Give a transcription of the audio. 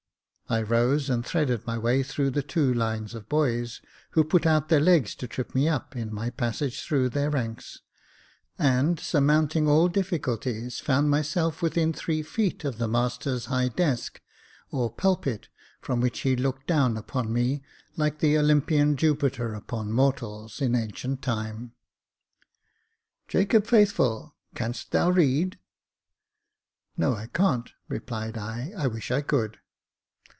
I rose and threaded my way through two lines of boys, who put out their legs to trip me up, in my passage through their ranks ; and, surmounting all difficulties, found myself within three feet of the master's high desk, or pulpit, from which he looked down upon me like the Olympian Jupiter upon mortals, in ancient time. "Jacob Faithful, canst thou read?" No, I can't," replied I :I wish I could."